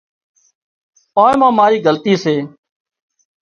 آنئين مان مارِي غلطي سي